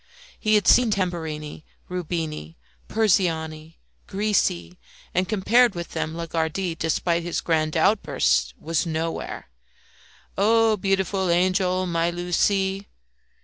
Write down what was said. He had seen Tambourini, Rubini, Persiani, Grisi, and, compared with them, Lagardy, despite his grand outbursts, was nowhere. Oh beautiful angel, my Lucie.